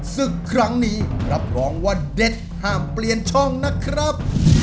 ศึกครั้งนี้รับรองว่าเด็ดห้ามเปลี่ยนช่องนะครับ